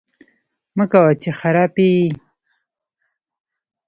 مکوه! چې خراپی یې